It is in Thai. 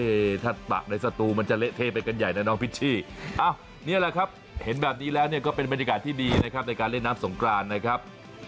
ถ้าปักในสตูมันจะเละเทไปกันใหญ่นะน้องพิชชี่นี่แหละครับเห็นแบบนี้แล้วเนี่ยก็เป็นบรรยากาศที่ดีนะครับในการเล่นน้ำสงกรานนะครับ